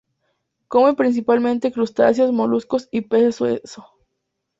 Come principalmente crustáceos, moluscos y peces hueso.